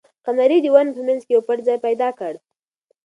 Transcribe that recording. قمرۍ د ونې په منځ کې یو پټ ځای پیدا کړ.